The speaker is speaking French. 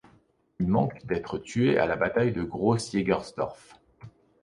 Il manque d'être tué à la bataille de Gross-Jägersdorf.